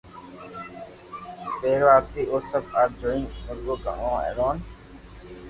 پيروا ھتي او سب آ جوئين مورگو گھڻو ھآرون